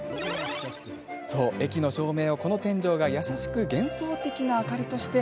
駅の照明を、この天井が優しく幻想的な明かりとして